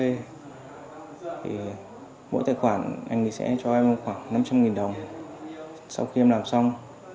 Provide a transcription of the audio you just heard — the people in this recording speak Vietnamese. thì mỗi tài khoản anh sẽ cho em khoảng năm trăm linh đồng sau khi em làm xong